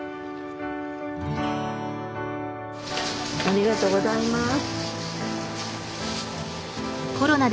ありがとうございます。